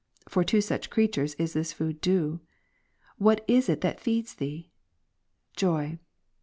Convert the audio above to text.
(for to such creatures, is this food due ;) what is it that feeds thee ? Joy.